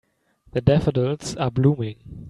The daffodils are blooming.